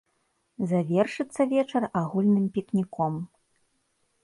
Завершыцца вечар агульным пікніком.